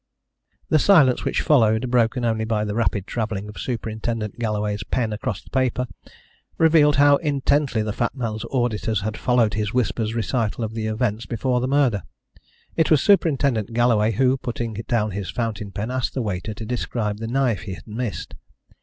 The silence which followed, broken only by the rapid travelling of Superintendent Galloway's pen across the paper, revealed how intently the fat man's auditors had followed his whispered recital of the events before the murder. It was Superintendent Galloway who, putting down his fountain pen, asked the waiter to describe the knife he had missed.